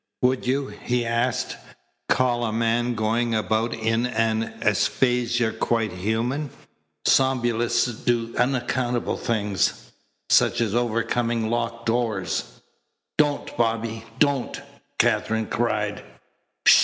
"Would you," he asked, "call a man going about in an aphasia quite human? Somnambulists do unaccountable things such as overcoming locked doors " "Don't, Bobby! Don't!" Katherine cried.